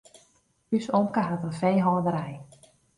Us omke hat in feehâlderij.